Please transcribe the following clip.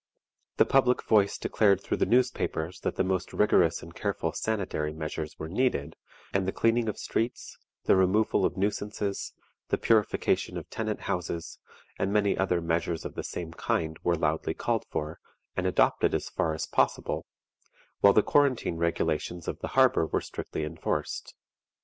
The public voice declared through the newspapers that the most rigorous and careful sanitary measures were needed, and the cleaning of streets, the removal of nuisances, the purification of tenant houses, and many other measures of the same kind, were loudly called for, and adopted as far as possible, while the quarantine regulations of the harbor were strictly enforced.